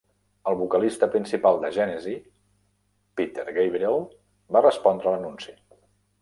El vocalista principal de Gènesi, Peter Gabriel, va respondre l'anunci.